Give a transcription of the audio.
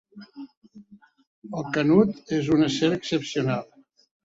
El Canut és un ésser excepcional.